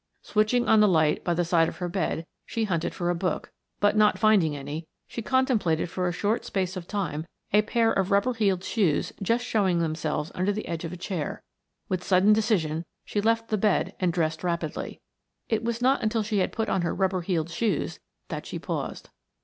Switching on the light by the side of her bed she hunted for a book, but not finding any, she contemplated for a short space of time a pair of rubber heeled shoes just showing themselves under the edge of a chair. With sudden decision she left the bed and dressed rapidly. It was not until she had put on her rubber heeled shoes that she paused.